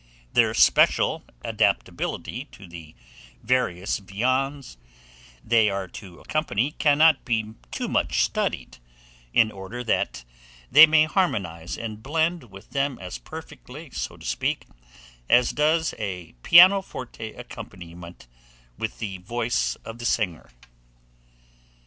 Their special adaptability to the various viands they are to accompany cannot be too much studied, in order that they may harmonize and blend with them as perfectly, so to speak, as does a pianoforte accompaniment with the voice of the singer.